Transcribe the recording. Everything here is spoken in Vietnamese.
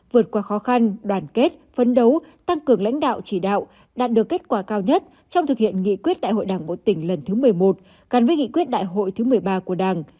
vượt qua khó khăn đoàn kết phấn đấu tăng cường lãnh đạo chỉ đạo đạt được kết quả cao nhất trong thực hiện nghị quyết đại hội đảng bộ tỉnh lần thứ một mươi một gắn với nghị quyết đại hội thứ một mươi ba của đảng